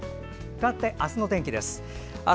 かわって、明日の天気です。